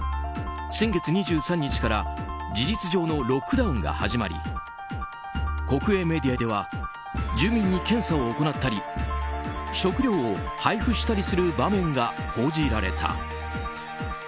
先月２３日から事実上のロックダウンが始まり国営メディアでは住民に検査を行ったり食料を配布したりする場面が報じられた。